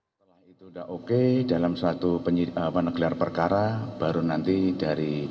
setelah itu sudah oke dalam suatu gelar perkara baru nanti dari